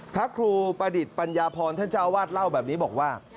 พระครูประดิษฐ์ปัญญาพรท่านเจ้าวาดเล่าแบบนี้บอกว่า